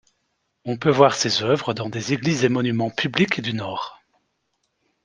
On peut voir ses œuvres dans des églises et monuments publics du Nord.